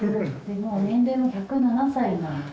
もう年齢も１０７歳なので。